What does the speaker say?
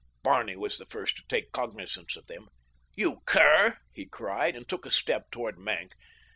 Barney was the first to take cognizance of them. "You cur!" he cried, and took a step toward Maenck.